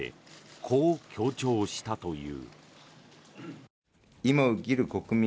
こう強調したという。